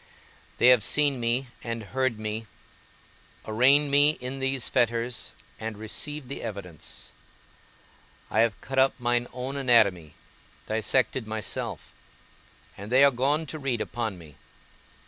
They have seen me and heard me, arraigned me in these fetters and received the evidence; I have cut up mine own anatomy, dissected myself, and they are gone to read upon me.